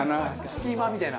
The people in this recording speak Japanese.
スチーマーみたいな。